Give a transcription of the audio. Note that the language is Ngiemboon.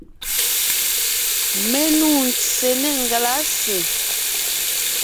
Mé nû ntse nê ngelásè.